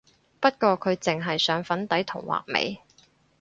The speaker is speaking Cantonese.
不過佢淨係上粉底同畫眉